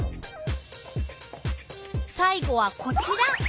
さい後はこちら。